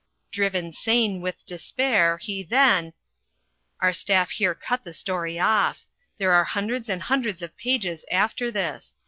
Driven sane with despair, he then (Our staff here cut the story off. There are hundreds and hundreds of pages after this.